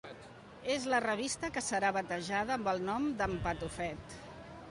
És la revista que serà batejada amb el nom d'En Patufet.